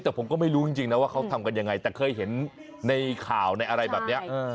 แต่ผมก็ไม่รู้จริงนะว่าเขาทำกันยังไงแต่เคยเห็นในข่าวในอะไรแบบนี้